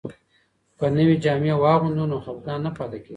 که نوې جامې واغوندو نو خپګان نه پاتې کیږي.